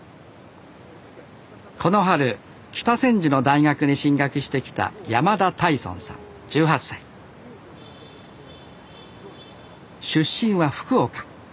この春北千住の大学に進学してきた出身は福岡。